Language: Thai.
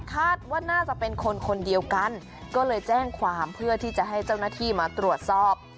คาดว่าน่าจะเป็นคนคนเดียวกันก็เลยแจ้งความเพื่อที่จะให้เจ้าหน้าที่มาตรวจสอบ